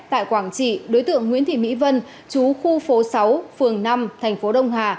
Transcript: tại quảng trị đối tượng nguyễn thị mỹ vân chú khu phố sáu phường năm thành phố đông hà